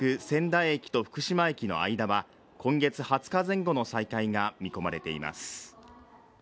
仙台駅と福島駅の間は今月２０日前後の再開が見込まれています